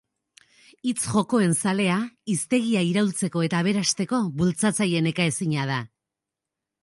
Hitz-jokoen zalea, hiztegia iraultzeko eta aberasteko bultzatzaile nekaezina da.